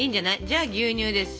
じゃあ牛乳です。